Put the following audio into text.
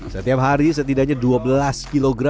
setiap hari setidaknya dua belas kg